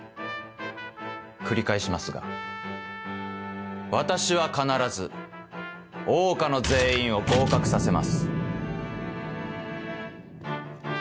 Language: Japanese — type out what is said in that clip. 繰り返しますが私は必ず桜花の全員を合格させます。